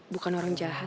bukan orang jahat